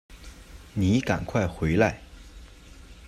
妳赶快回来